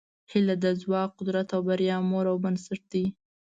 هیله د ځواک، قدرت او بریا مور او بنسټ ده.